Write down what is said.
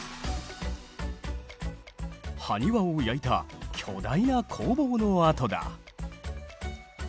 ハニワを焼いた巨大な工房の跡だ。